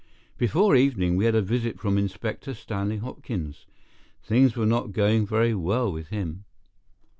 Before evening, we had a visit from Inspector Stanley Hopkins. Things were not going very well with him.